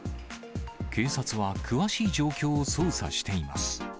警察は詳しい状況を捜査しています。